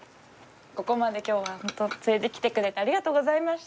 ここまで今日はホント連れて来てくれてありがとうございました！